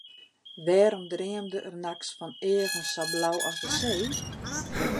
Wêrom dreamde er nachts fan eagen sa blau as de see?